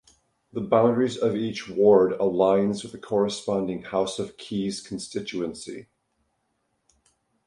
The boundaries of each ward aligns with the corresponding House of Keys Constituency.